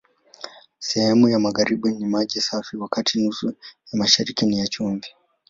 Sehemu ya magharibi ni maji safi, wakati nusu ya mashariki ni ya chumvi.